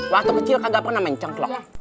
waktu kecil kagak pernah mencengklok